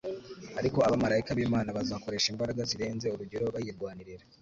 ariko abamaraika b'Imana bazakoresha imbaraga zirenze urugero bayirwanirira.